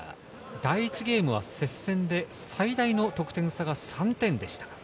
第１ゲームは接戦で最大の得点差が３点でした。